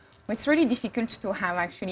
sangat sulit untuk memiliki